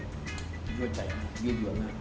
มันคือเวลาใจนะยืดเหยื่อหน้า